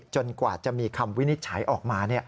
กว่าจะมีคำวินิจฉัยออกมา